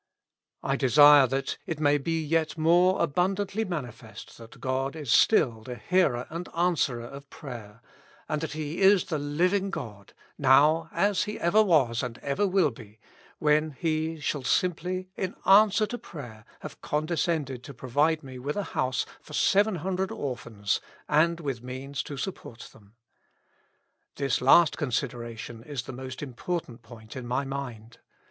I desire that it may be yet more abundantly' manifest that God is still the Hearer and Answerer of prayer, and that He is the living God now as He ever was and ever will be, when He shall simplj', in answer to prayer, have condescended to provide me with a house for 700 orphans and with means to support them. This last consideration is the most important point in my mind.